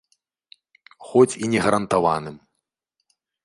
Хоць і не гарантаваным.